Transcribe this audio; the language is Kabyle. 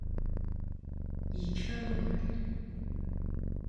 Yekfa wawal.